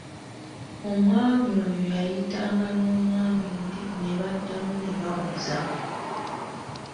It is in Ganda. Omwami oyo yayitanga omwami oli ne baddamu ne bawoza.